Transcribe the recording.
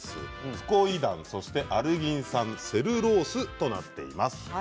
フコイダン、アルギン酸セルロースとなっています。